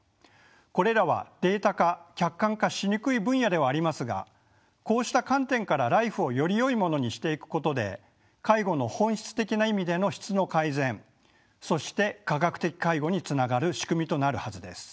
これらはデータ化客観化しにくい分野ではありますがこうした観点からＬＩＦＥをよりよいものにしていくことで介護の本質的な意味での質の改善そして科学的介護につながる仕組みとなるはずです。